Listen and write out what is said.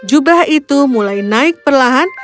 jubah itu mulai naik perlahan